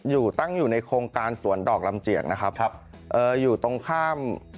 ข้างบัวแห่งสันยินดีต้อนรับทุกท่านนะครับ